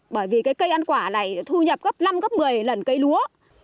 bởi vì cái cây ăn quả này thu nhập gấp năm gấp một mươi lần cây lúa